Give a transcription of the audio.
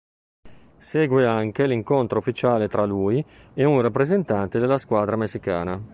Segue anche l'incontro ufficiale tra lui e un rappresentante della squadra messicana.